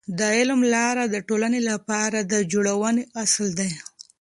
د علم لاره د ټولنې لپاره د جوړونې اصل دی.